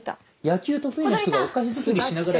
野球得意な人がお菓子。